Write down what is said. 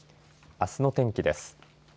あすの天気です。